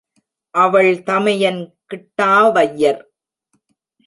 அவள் தமையன் கிட்டாவய்யர்.